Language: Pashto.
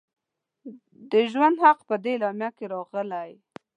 د ژوند حق په دې اعلامیه کې راغلی.